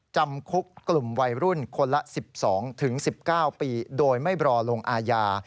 จำคุกกลุ่มวัยรุ่นคนละ๑๒๑๙ปีโดยไม่รอลงอาญา